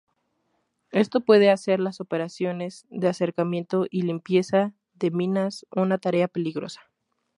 Esto puede hacer las operaciones de acercamiento y limpieza de minas una tarea peligrosa.